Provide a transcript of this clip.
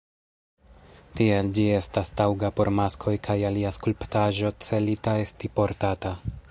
Tiel ĝi estas taŭga por maskoj kaj alia skulptaĵo celita esti portata.